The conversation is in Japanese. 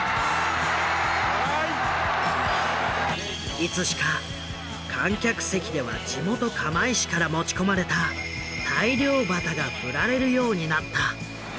いつしか観客席では地元釜石から持ち込まれた大漁旗が振られるようになった。